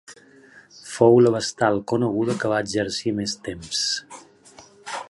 Fou la vestal coneguda que va exercir més temps.